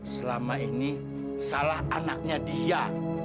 selama ini salah anaknya dia